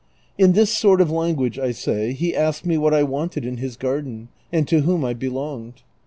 In this sort of language, I say, he asked me what I wanted in his gar den, and to whom I belonged.